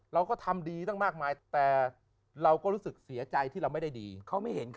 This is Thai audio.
เราก็ทำดีตั้งมากมายแต่เราก็รู้สึกเสียใจที่แล้วไม่ได้ดี